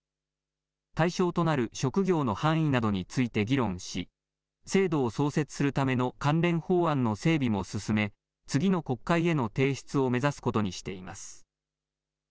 対象となる職業の範囲などについて議論し、制度を創設するための関連法案の整備も進め、次の国会への提出を目指すことにしています。